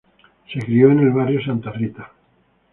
Se crio en el barrio Santa Rita.